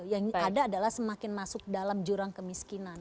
yang ada adalah semakin masuk dalam jurang kemiskinan